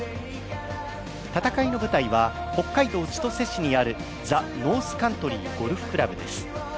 戦いの舞台は北海道千歳市にあるザ・ノースカントリーゴルフクラブです。